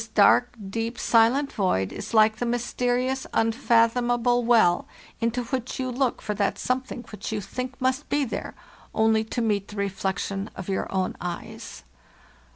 "This dark, deep, silent void is like the mysterious, un fathomable well into which you look for that something which you think must be there, only to meet the reflec tion of your own eyes.